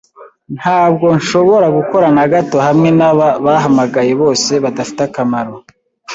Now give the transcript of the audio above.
Ntabwo nshobora gukora na gato hamwe naba bahamagaye bose badafite akamaro.